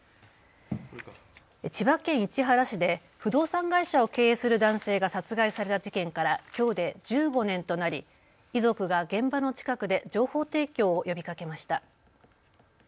千葉県市原市で不動産会社を経営する男性が殺害された事件からきょうで１５年となり遺族が現場の近くで情報提供を呼びかけました。